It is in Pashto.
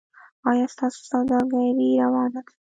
ایا ستاسو سوداګري روانه ده؟